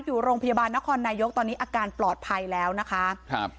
อยู่โรงพยาบาลนครนายกตอนนี้อาการปลอดภัยแล้วนะคะครับ